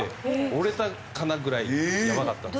折れたかな？ぐらいやばかったです。